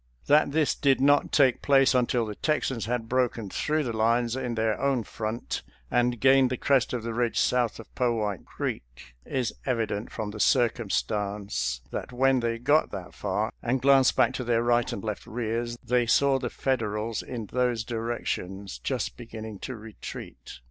That this did not take place until the Texans had broken through the lines in their own front and gained the crest of the ridge south of Powhite Creek is evident from the circumstance that when they got that far and glanced back to their right and left rears they saw the Federals in those directions just beginning to retreat.